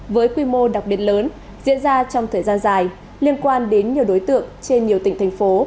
với quy mô đặc biệt lớn diễn ra trong thời gian dài liên quan đến nhiều đối tượng trên nhiều tỉnh thành phố